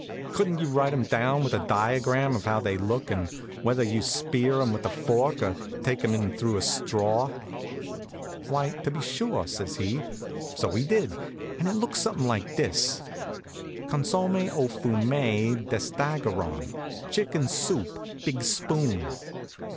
Couldn't you write 'em down, with a diagram of how they look, and whether you spear 'em with a fork, or take 'em in through a straw?" "Why, to be sure," says he. So he did, and it looked something like this: "Consomme au fumet d'estaragon (chicken soup big spoon).